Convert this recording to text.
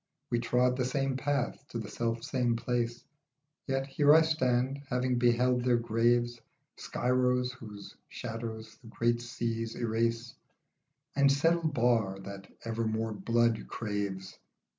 We trod the same path, to the self same place, Yet here I stand, having beheld their graves, Skyros whose shadows the great seas erase, And Sedd el Bahr that ever more blood craves.